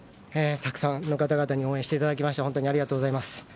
たくさんの方々に応援していただきまして本当にありがとうございます。